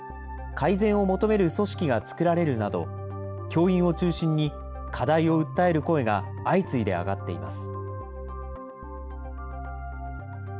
改善を求める組織が作られるなど、教員を中心に、課題を訴える声が相次いで上がっています。